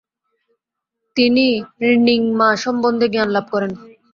তিনি র্ন্যিং-মা সম্বন্ধে জ্ঞানলাভ করেন।